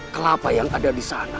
kelapa yang ada di sana